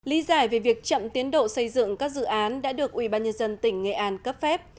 lý giải về việc chậm tiến độ xây dựng các dự án đã được ubnd tỉnh nghệ an cấp phép